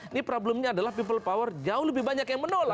ini problemnya adalah people power jauh lebih banyak yang menolak